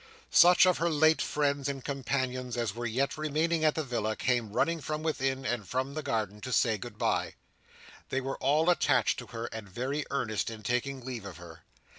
Such of her late friends and companions as were yet remaining at the villa, came running from within, and from the garden, to say good bye. They were all attached to her, and very earnest in taking leave of her.